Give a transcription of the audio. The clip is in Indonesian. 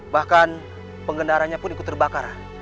bahkan pengendaranya pun ikut terbakar